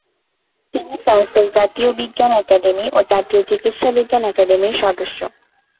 তিনি ফ্রান্সের জাতীয় বিজ্ঞান অ্যাকাডেমি ও জাতীয় চিকিৎসাবিজ্ঞান অ্যাকাডেমির সদস্য।